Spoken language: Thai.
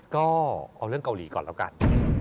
ก็เอาเรื่องเกาหลีก่อนแล้วกัน